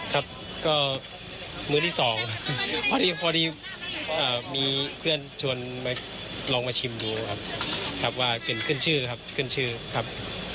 ครับก็มื้อที่สองพอดีมีเพื่อนชวนมาลองมาชิมดูครับว่าเป็นเพื่อนชื่อครับ